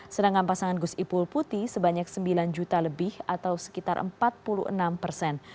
sedangkan pasangan gus ipul putih sebanyak sembilan juta lebih atau sekitar empat puluh enam persen